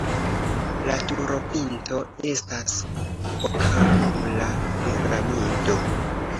La turopinto estas okangula piramido.